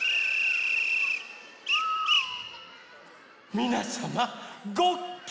みなさまごっき？